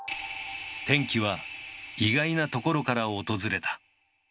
転機は意外なところから訪れた。